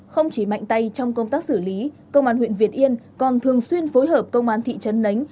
không chỉ mạnh tay trong công tác xử lý công an huyện việt yên còn thường xuyên phối hợp công an thị trấn nánh